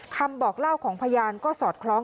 คำบอกเล่าของพยานก็สอดคล้อง